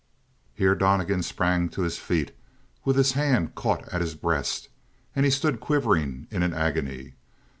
Here Donnegan sprang to his feet with his hand caught at his breast; and he stood quivering, in an agony.